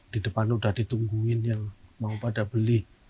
di depan sudah ditungguin yang mau pada beli